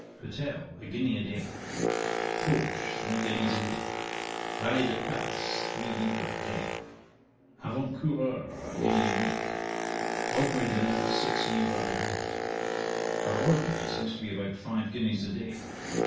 'Hotel a guinea a day. Coach, three guineas a week. Valet de place, three l. a day. Avantcoureur, a guinea a week. Ordinary dinner, six l. a head. Our ordinary seems to be about five guineas a day.